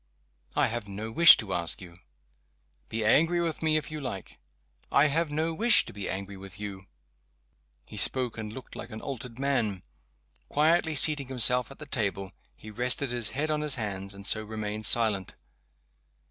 "I have no wish to ask you." "Be angry with me, if you like!" "I have no wish to be angry with you." He spoke and looked like an altered man. Quietly seating himself at the table, he rested his head on his hand and so remained silent.